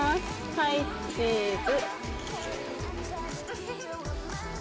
はいチーズ。